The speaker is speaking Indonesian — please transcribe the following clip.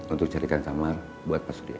untuk carikan kamar buat pak surya